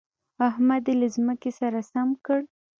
احمد يې له ځمکې سره سم کړ.